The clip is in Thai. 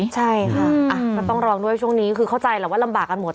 ใช่ค่ะก็ต้องระวังด้วยช่วงนี้คือเข้าใจแหละว่าลำบากกันหมด